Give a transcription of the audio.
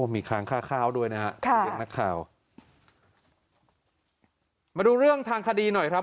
มีค้างค่าข้าวด้วยนะครับมาดูเรื่องทางคดีหน่อยครับ